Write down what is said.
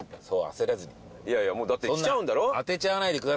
焦らずにいやいやもうだって来ちゃうんだろう